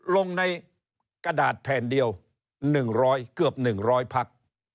ลงในกระดาษแผ่นเดียว๑๐๐เกือบ๑๐๐พัก